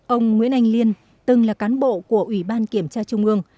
ông nguyễn anh liên từng là cán bộ của ủy ban kiểm tra trung ương